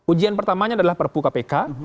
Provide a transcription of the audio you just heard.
ujian pertamanya adalah perpu kpk